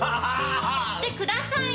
仕事してくださいよ。